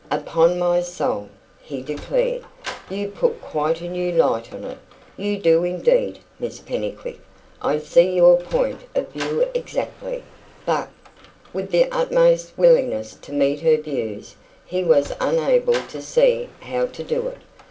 "Upon my soul," he declared, "you put quite a new light on it; you do indeed, Miss Pennycuick. I see your point of view exactly. But " With the utmost willingness to meet her views, he was unable to see how to do it.